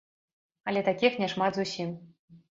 Але такіх няшмат зусім.